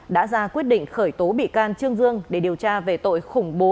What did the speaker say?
đã ra quyết định khởi tố bị can trương dương để điều tra về tội khủng bố